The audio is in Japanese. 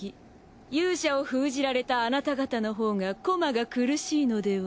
勇者を封じられたあなた方のほうが駒が苦しいのでは？